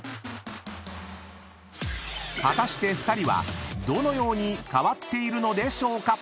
［果たして２人はどのように変わっているのでしょうか？］